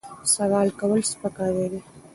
سوال کول سپکاوی دی.